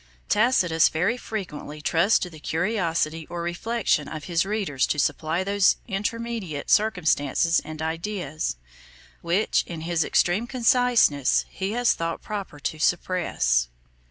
3 Tacitus very frequently trusts to the curiosity or reflection of his readers to supply those intermediate circumstances and ideas, which, in his extreme conciseness, he has thought proper to suppress.